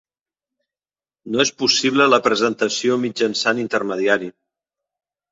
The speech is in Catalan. No és possible la presentació mitjançant intermediari.